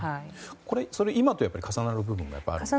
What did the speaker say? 今と重なる部分があるんですか？